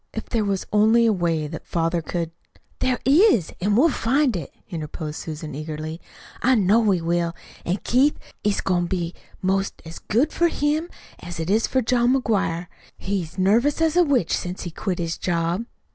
If there was only a way that father could " "There is, an' we'll find it," interposed Susan eagerly. "I know we will. An' Keith, it's goin' to be 'most as good for him as it is for John McGuire. He's nervous as a witch since he quit his job."